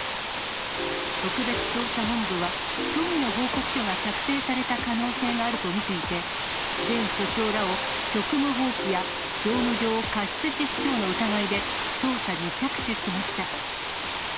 特別捜査本部は、虚偽の報告書が作成された可能性があると見ていて、前署長らを職務放棄や、業務上過失致死傷の疑いで捜査に着手しました。